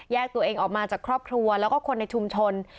ตัวเองออกมาจากครอบครัวแล้วก็คนในชุมชน